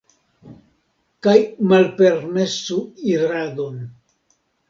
Kaj malpermesu iradon.